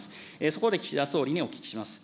そこで岸田総理にお聞きします。